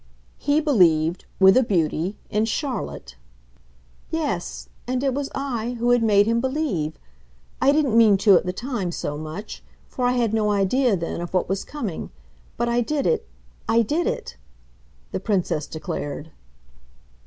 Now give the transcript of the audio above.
"He believed with a beauty! in Charlotte." "Yes, and it was I who had made him believe. I didn't mean to, at the time, so much; for I had no idea then of what was coming. But I did it, I did it!" the Princess declared.